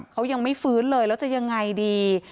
เขายังไม่ฟื้นเลยแล้วจะยังไงดี